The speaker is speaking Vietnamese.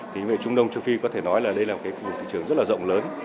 tính về trung đông và châu phi có thể nói là đây là một thị trường rất rộng